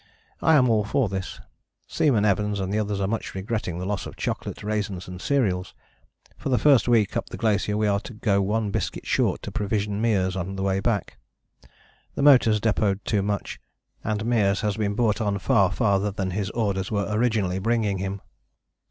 I am all for this: Seaman Evans and others are much regretting the loss of chocolate, raisins and cereals. For the first week up the glacier we are to go one biscuit short to provision Meares on the way back. The motors depôted too much and Meares has been brought on far farther than his orders were originally bringing him.